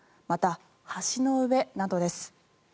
また、橋の上などです。